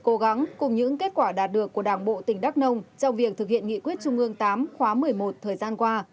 cố gắng cùng những kết quả đạt được của đảng bộ tỉnh đắk nông trong việc thực hiện nghị quyết trung ương tám khóa một mươi một thời gian qua